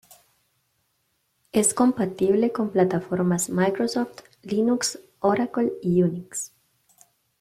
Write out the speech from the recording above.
Es compatible con plataformas Microsoft, Linux, Oracle y Unix.